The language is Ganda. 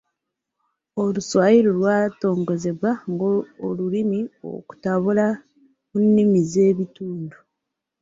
Oluswayiri lwatongozebwa nga olulimi okutabula mu nnimi z’ebitundu.